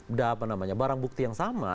udah barang bukti yang sama